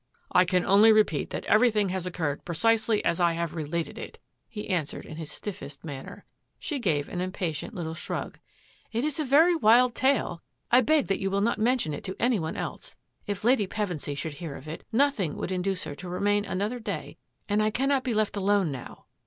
" I can only repeat that everything has occurred precisely as I have related it," he answered in his stiffest manner. She gave an impatient little shrug. " It is a very wild tale. I beg that you will not mention it to any one else. If Lady Pevensy should hear of it, nothing would induce her to remain another day, and I cannot be left alone now."